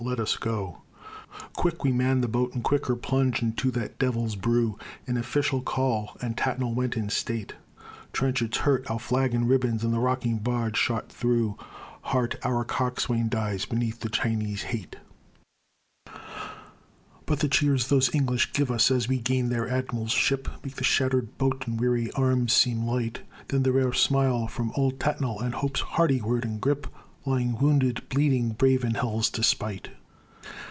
Let us go._ Quick we man the boat, and quicker plunge into that devil's brew "An official call," and Tattnall went in state. Trenchard's hurt, our flag in ribbons, and the rocking barge shot through, Hart, our coxswain, dies beneath the Chinese hate; But the cheers those English give us as we gain their Admiral's ship Make the shattered boat and weary arms seem light Then the rare smile from "Old" Tattnall, and Hope's hearty word and grip, Lying wounded, bleeding, brave in hell's despite.